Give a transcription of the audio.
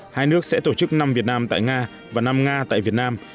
hai nước sẽ tổ chức năm việt nam tại nga và năm nga tại việt nam